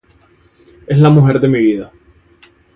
Es la Mujer de mi vida.